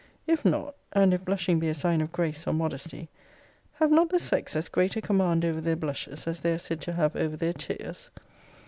If not; and if blushing be a sign of grace or modesty; have not the sex as great a command over their blushes as they are said to have over their tears?